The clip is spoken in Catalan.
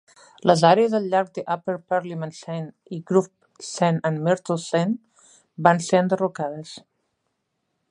Les àrees al llarg de Upper Parliament Saint i Grove Saint and Myrtle Saint van ser enderrocades.